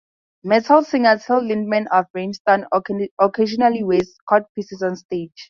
Metal singer Till Lindemann of Rammstein occasionally wears codpieces on stage.